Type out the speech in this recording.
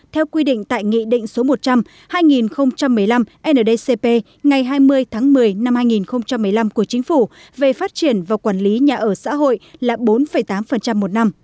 theo quy định tại nghị định số một trăm linh hai nghìn một mươi năm ndcp